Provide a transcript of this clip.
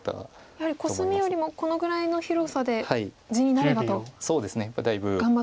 やはりコスミよりもこのぐらいの広さで地になればと頑張った一手ですか。